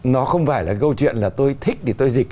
nó không phải là câu chuyện là tôi thích thì tôi dịch